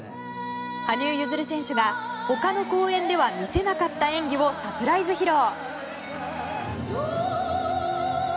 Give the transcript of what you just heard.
羽生結弦選手がほかの公演では見せなかった演技をサプライズ披露。